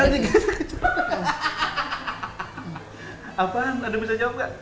apaan ada yang bisa jawab gak